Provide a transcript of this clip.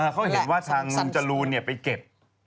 เขาเห็นว่าทางลุงจรูนไปเก็บ